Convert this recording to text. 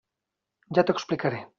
Ja t'ho explicaré.